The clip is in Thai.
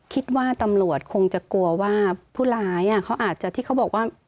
คิดว่าตำรวจคงจะกลัวว่าผู้ร้ายเขาอาจจะที่เขาบอกว่า